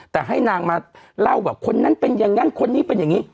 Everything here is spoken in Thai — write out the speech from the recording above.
แต่ให้นางมาเล่าว่าคนนั้นเป็นอย่างนั้นคนนี้เป็นอย่างนี้